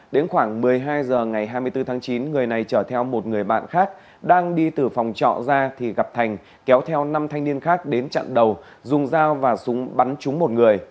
đến khoảng một mươi hai h ngày hai mươi bốn tháng chín người này chở theo một người bạn khác đang đi từ phòng trọ ra thì gặp thành kéo theo năm thanh niên khác đến chặn đầu dùng dao và súng bắn trúng một người